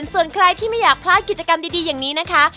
ส่วนใครที่ไม่อยากพลาดกิจกรรมดีอย่างนี้นะคะ